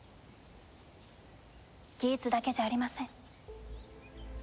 ギーツだけじゃありません。